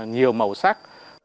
nhiều màu sắc